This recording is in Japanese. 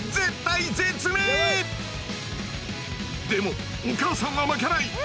でもお母さんは負けない！